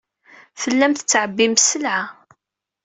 Tellam tettɛebbim sselɛa.